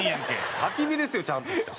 焚き火ですよちゃんとした。